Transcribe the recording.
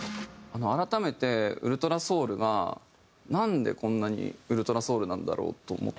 改めて『ｕｌｔｒａｓｏｕｌ』がなんでこんなにウルトラソウルなんだろうと思って。